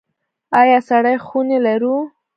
آیا سړې خونې لرو؟